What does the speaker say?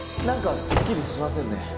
なんかすっきりしませんね。